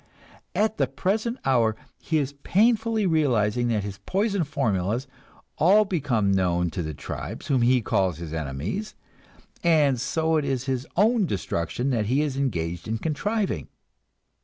At the present hour he is painfully realizing that his poison formulas all become known to the tribes whom he calls his enemies, and so it is his own destruction he is engaged in contriving.